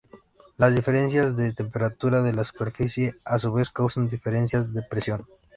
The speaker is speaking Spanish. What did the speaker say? Las diferencias de temperatura de la superficie a su vez causan diferencias de presión.